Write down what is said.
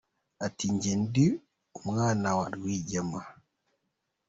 Ati “Njye ndi umwana wa Rwigema.